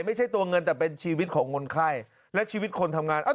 ไม่ใช่ตัวเงินแต่เป็นชีวิตของคนไข้และชีวิตคนทำงาน